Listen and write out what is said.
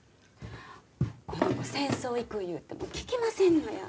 この子戦争行く言うて聞きませんのや。